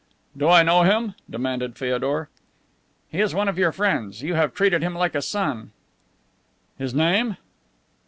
"Do I know him?" demanded Feodor. "He is one of your friends, you have treated him like a son." "His name?"